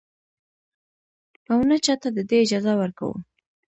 او نـه چـاتـه د دې اجـازه ورکـو.